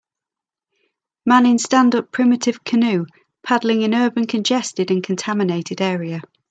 Man in stand up primitive canoe paddling in urban congested and contaminated area.